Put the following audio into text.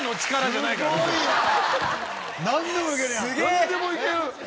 何でもいける。